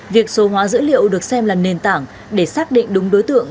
việc số hóa dữ liệu được xem là nền tảng để xác định đúng đối tượng